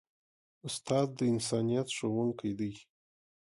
استاد د انسانیت ښوونکی دی.